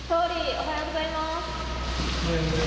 おはようございます。